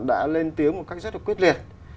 đã lên tiếng một cách rất là quyết liệt